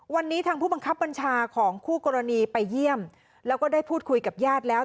วันนี้ทางผู้บังคับบัญชาของคู่กรณีไปเยี่ยมแล้วก็ได้พูดคุยกับญาติแล้ว